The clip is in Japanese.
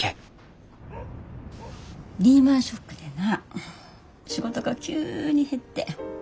リーマンショックでな仕事が急に減って。